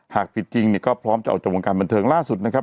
หากผิดจริงเนี่ยก็พร้อมจะออกจากวงการบันเทิงล่าสุดนะครับ